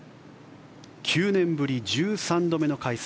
９年ぶり１３度目の開催。